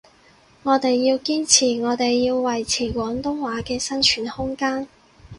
我哋要堅持，我哋要維持廣東話嘅生存空間